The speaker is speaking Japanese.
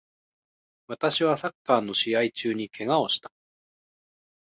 私はサッカーの試合中に怪我をした